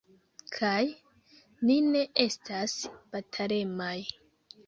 Kaj ni ne estas batalemaj.